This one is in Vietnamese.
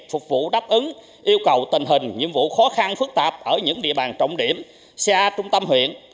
phục vụ đáp ứng yêu cầu tình hình nhiệm vụ khó khăn phức tạp ở những địa bàn trọng điểm xa trung tâm huyện